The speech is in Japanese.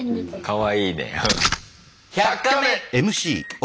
かわいいね。